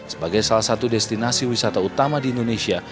sebagai salah satu destinasi wisata utama di indonesia